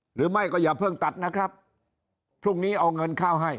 หรือไม่ก็อย่าเพิ่งตัดนะครับพรุ่งนี้เอาเงินเข้าให้